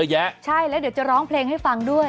ใช่แล้วเดี๋ยวจะร้องเพลงให้ฟังด้วย